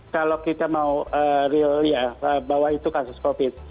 kalau kita mau bahwa itu kasus covid